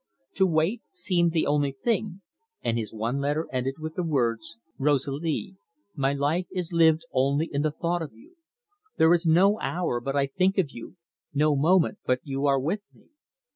To wait seemed the only thing, and his one letter ended with the words: Rosalie, my life is lived only in the thought of you. There is no hour but I think of you, no moment but you are with me.